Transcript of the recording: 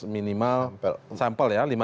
minimal sampel ya